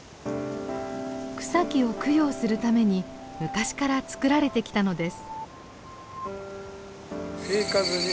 草木を供養するために昔から作られてきたのです。